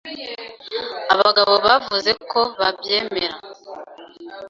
abagabo bavuze ko babyemera